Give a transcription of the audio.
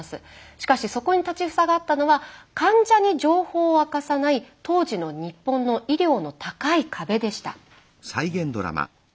しかしそこに立ち塞がったのは患者に情報を明かさない当時の日本の医療の高い壁でした。